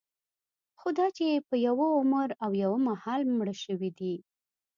خوداچې په یوه عمر او یوه مهال مړه شوي دي.